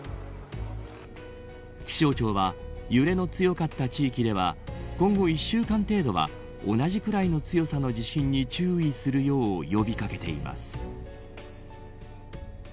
気象庁は揺れの強かった地域では今後１週間程度は同じくらいの強さの地震に注意するよう呼び掛けています。